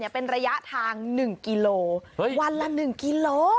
เป็นระยะทาง๑กิโลวันละ๑กิโล